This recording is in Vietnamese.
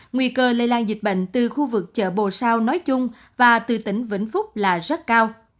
nguy cơ lây lan dịch bệnh từ khu vực chợ bồ sao nói chung và từ tỉnh vĩnh phúc là rất cao